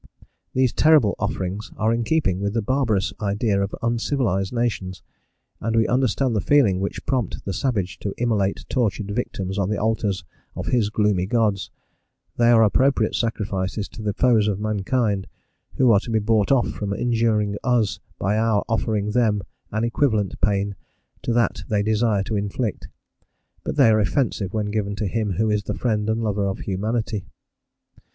These terrible offerings are in keeping with the barbarous ideas of uncivilized nations, and we understand the feelings which prompt the savage to immolate tortured victims on the altars of his gloomy gods; they are appropriate sacrifices to the foes of mankind, who are to be bought off from injuring us by our offering them an equivalent pain to that they desire to inflict, but they are offensive when given to Him who is the Friend and Lover of Humanity.